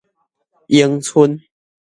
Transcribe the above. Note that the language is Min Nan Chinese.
永春